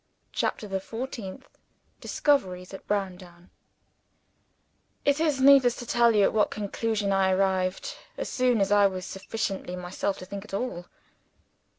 CHAPTER THE FOURTEENTH Discoveries at Browndown IT is needless to tell you at what conclusion I arrived, as soon as I was sufficiently myself to think at all.